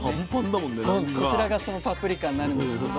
こちらがそのパプリカになるんですけど。